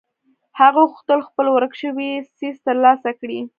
هغه غوښتل خپل ورک شوی څيز تر لاسه کړي.